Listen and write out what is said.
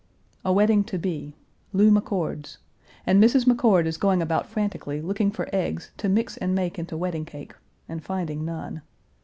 A wedding to be. Lou McCord's. And Mrs. McCord is going about frantically, looking for eggs "to mix and make into wedding cake," and finding none.